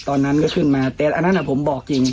ตอนนั้นก็ขึ้นมาแต่อันนั้นผมบอกจริง